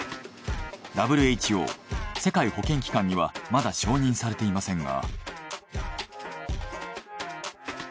ＷＨＯ＝世界保健機関にはまだ承認されていませんが。